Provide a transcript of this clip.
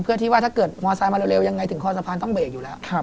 เพื่อที่ว่าถ้าเกิดมอไซค์มาเร็วยังไงถึงคอสะพานต้องเบรกอยู่แล้ว